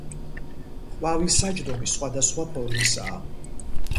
ყვავილსაჯდომი სხვადასხვა ფორმისაა.